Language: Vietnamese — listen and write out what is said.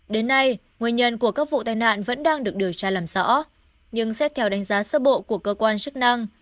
đến nay nguyên nhân của các vụ tai nạn vẫn đang được điều tra làm rõ nhưng xét theo đánh giá sơ bộ của cơ quan chức năng